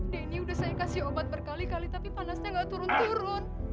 denny udah saya kasih obat berkali kali tapi panasnya nggak turun turun